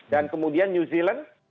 dan kemudian new zealand